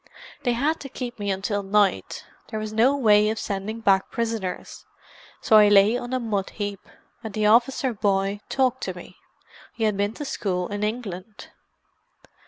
"They had to keep me until night—there was no way of sending back prisoners. So I lay on a mud heap, and the officer boy talked to me—he had been to school in England."